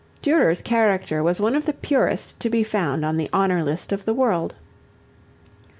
Durer's character was one of the purest to be found on the honor list of the world.